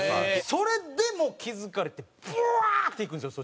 それでも気付かれてブワーッと行くんですよ